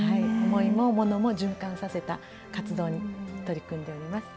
思いも物も循環させた活動に取り組んでおります。